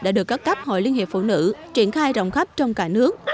đã được các cấp hội liên hiệp phụ nữ triển khai rộng khắp trong cả nước